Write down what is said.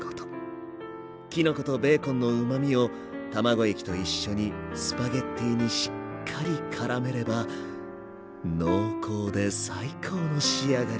きのことベーコンのうまみを卵液と一緒にスパゲッティにしっかりからめれば濃厚で最高の仕上がりに。